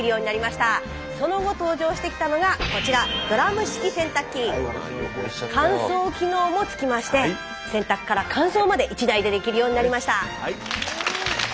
その後登場してきたのがこちら乾燥機能もつきまして洗濯から乾燥まで１台でできるようになりました。